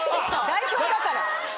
代表だから。